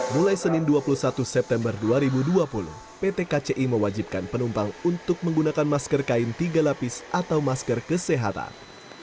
mulai senin dua puluh satu september dua ribu dua puluh pt kci mewajibkan penumpang untuk menggunakan masker kain tiga lapis atau masker kesehatan